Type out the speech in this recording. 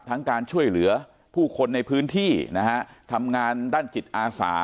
การช่วยเหลือผู้คนในพื้นที่นะฮะทำงานด้านจิตอาสา